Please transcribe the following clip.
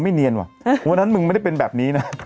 เนียนว่ะวันนั้นมึงไม่ได้เป็นแบบนี้นะ